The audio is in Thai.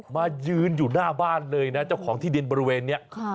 มายืนอยู่หน้าบ้านเลยนะเจ้าของที่ดินบริเวณนี้